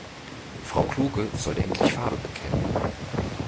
Frau Kluge sollte endlich Farbe bekennen.